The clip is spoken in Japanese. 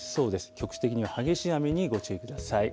局地的な激しい雨にご注意ください。